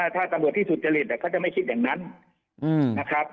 ถ้าตำรวจที่สุจริตเขาจะไม่คิดอย่างนั้นนะครับ